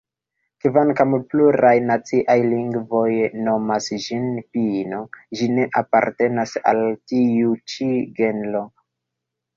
Kvankam pluraj naciaj lingvoj nomas ĝin "pino", ĝi ne apartenas al tiu ĉi genro.